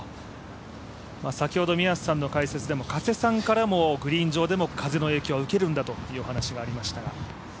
先ほど宮瀬さんの解説でも、加瀬さんからもグリーン上での風の影響を受けるんだというお話がありましたが。